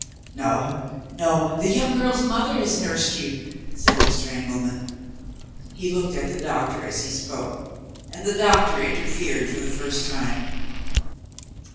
'No, no; the young girl's mother has nursed you,' said Mr. Engelman. He looked at the doctor as he spoke; and the doctor interfered for the first time.